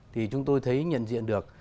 thì chúng tôi thấy nhận diện được